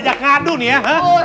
aja ngadu nih ya